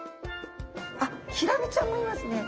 あっヒラメちゃんもいますね。